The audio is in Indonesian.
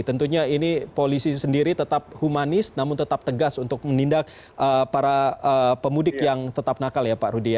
tentunya ini polisi sendiri tetap humanis namun tetap tegas untuk menindak para pemudik yang tetap nakal ya pak rudy ya